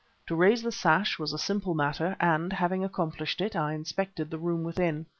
To raise the sash was a simple matter, and, having accomplished it, I inspected the room within.